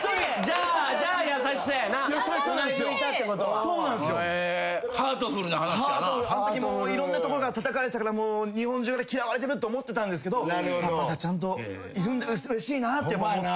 あんときいろんなところからたたかれてたから日本中から嫌われてるって思ってたんですけどまだちゃんとうれしいなって思って。